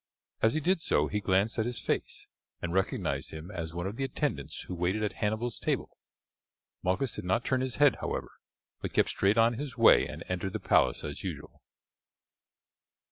As he did so he glanced at his face, and recognized him as one of the attendants who waited at Hannibal's table. Malchus did not turn his head, however, but kept straight on his way and entered the palace as usual.